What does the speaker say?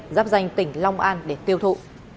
giáp danh tỉnh long an để tiêu thụ